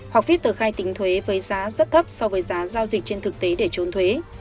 hoặc viết tờ khai tính thuế với giá rất thấp so với giá giao dịch trên thực tế để trốn thuế